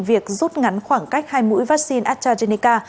việc rút ngắn khoảng cách hai mũi vaccine astrazeneca